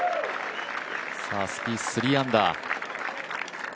スピース、３アンダー。